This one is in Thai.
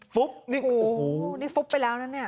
ฟุบฟุบโอ้โหนี่ฟุบไปแล้วนะเนี่ย